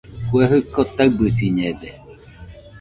Kue jɨko taɨbɨsiñede